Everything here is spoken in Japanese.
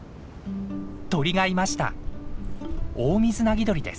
鳥がいました。